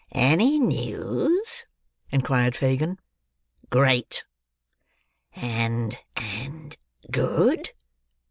"Any news?" inquired Fagin. "Great." "And—and—good?"